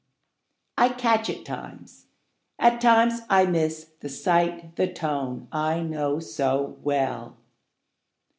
I catch at times, at times I miss The sight, the tone, I know so well.